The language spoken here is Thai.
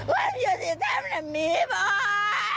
ว่าอยู่ที่ทำน่ะมีบอก